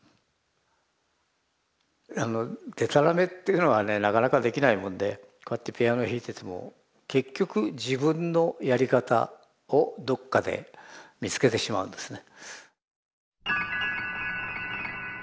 でたらめっていうのはねなかなかできないもんでこうやってピアノ弾いてても結局自分のやり方をどっかで見つけてしまうんですね。